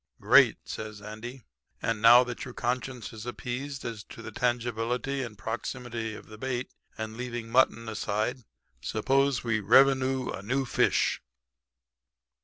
"'Great,' says Andy. 'And now that your conscience is appeased as to the tangibility and proximity of the bait, and leaving mutton aside, suppose we revenoo a noo fish.'